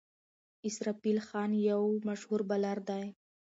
اسرافیل خان یو مشهور بالر دئ.